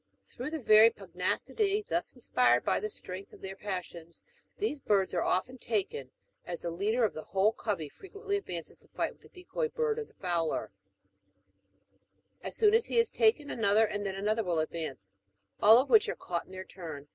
Through the very pugnacity thus inspired by the strength of their passions, these birds are often taken, as the leader of the whole covey frequently advances to fight with the decoy bird of the fowler ; as soon as he is taken, another and then another will advance, all of which are caught in their turn.